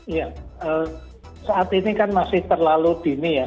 iya saat ini kan masih terlalu dini ya